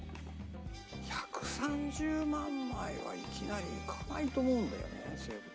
１３０万枚はいきなりいかないと思うんだよね。